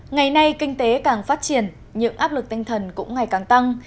ngày nay kinh tế càng phát triển nhưng áp lực tinh thần cũng ngày càng tăng